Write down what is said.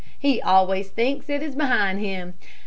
He always thinks it is behind him.